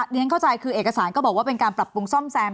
เรียนเข้าใจคือเอกสารก็บอกว่าเป็นการปรับปรุงซ่อมแซม